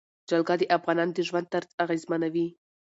جلګه د افغانانو د ژوند طرز اغېزمنوي.